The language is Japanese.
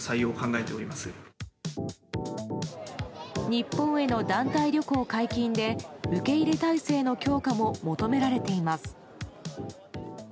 日本への団体旅行解禁で受け入れ態勢の強化も求められています。